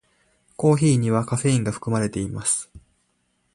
コーヒーにはカフェインが含まれています。